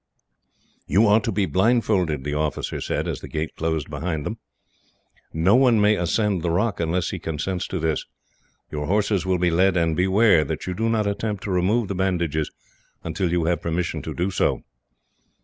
"You are to be blindfolded," the officer said, as the gate closed behind them. "No one may ascend the rock, unless he consents to this. Your horses will be led, and beware that you do not attempt to remove the bandages, until you have permission to do so."